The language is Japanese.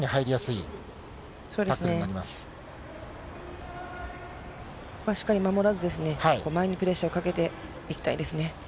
ここはしっかり守らずですね、前にプレッシャーをかけていきたいですね。